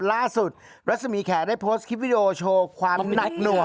รัศมีแขได้โพสต์คลิปวิดีโอโชว์ความหนักหน่วง